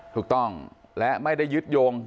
ถูกต้องและไม่ได้ยึดโยง